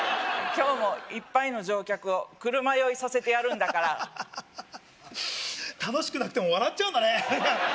今日もいっぱいの乗客を車酔いさせてやるんだから楽しくなくても笑っちゃうんだね